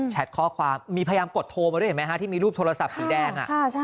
ข้อความมีพยายามกดโทรมาด้วยเห็นไหมฮะที่มีรูปโทรศัพท์สีแดง